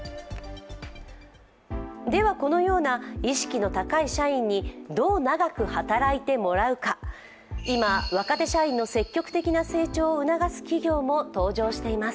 では、このような意識の高い社員にどう長く働いてもらうか、今、若手社員の積極的な成長を促す企業も登場しています。